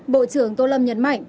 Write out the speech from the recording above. bộ trưởng tô lâm nhấn mạnh